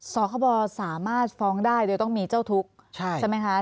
สคบสามารถฟ้องได้โดยต้องมีเจ้าทุกข์ใช่ไหมคะ